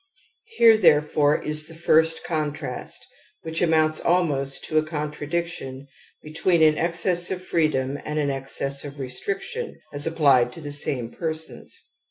^, Here, therefore, is the first contrast, which amounts almost to a contradiction, between an excess of freedom and an excess of restriction as appUed to the same persons.